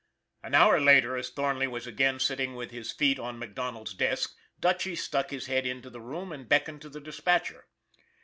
An hour later, as Thornley was again sitting with his feet on MacDonald's desk, Dutchy stuck his head into the room and beckoned to the dispatcher.